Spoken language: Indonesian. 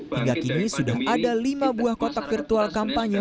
hingga kini sudah ada lima buah kotak virtual kampanye